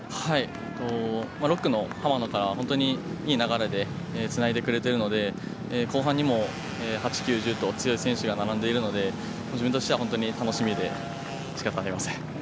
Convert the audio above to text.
６区の濱野からいい流れでつないでくれているので、後半にも８、９、１０と強い選手が並んでいるので、自分としては本当に楽しみでしかありません。